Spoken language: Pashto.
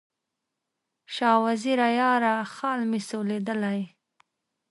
شاه وزیره یاره، خال مې سولېدلی